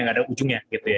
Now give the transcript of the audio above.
nggak ada ujungnya gitu ya